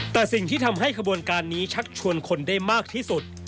แต่สิ่งที่ทำให้ขบวนการนี้ชักชวนคนได้มากที่สุด